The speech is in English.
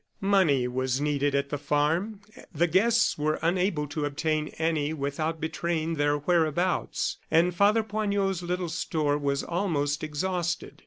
Money was needed at the farm. The guests were unable to obtain any without betraying their whereabouts, and Father Poignot's little store was almost exhausted.